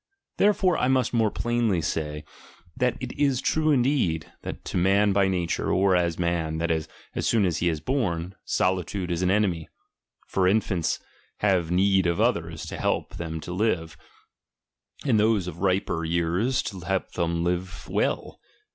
Therefore I must more plainly siay, that it is true indeed, that to man by nature, or as man, that is, as soon as he is born, solitude is an enemy ; for infants have need of others to help them to live, and those of riper years to help them to live well.